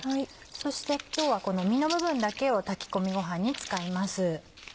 そして今日はこの身の部分だけを炊き込みごはんに使います。